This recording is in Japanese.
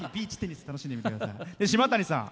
島谷さん